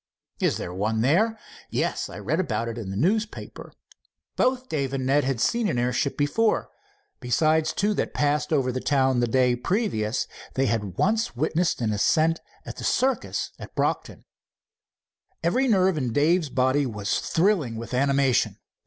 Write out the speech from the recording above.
"Is there one there?" "Yes. I read about it in the paper." Both Dave and Ned had seen an airship before. Besides two that had passed over the town the day previous, they had once witnessed an ascent at a circus at Brocton. Every nerve in Dave's body was thrilling with animation.